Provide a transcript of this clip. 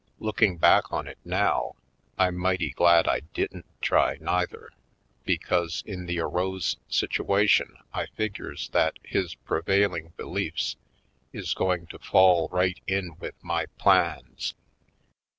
Looking back on it now, I'm mighty glad I didn't try neither, because in the arose situation I figures that his prevailing beliefs is going to fall right in with m.y plans.